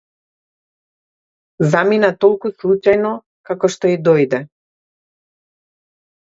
Замина толку случајно како што и дојде.